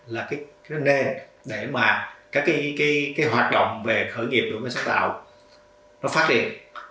là cái nền để mà các cái hoạt động về khởi nghiệp đổi mới sáng tạo nó phát triển